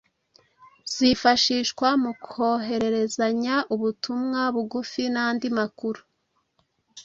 Zifashishwa mu kohererezanya ubutumwa bugufi n’andi makuru,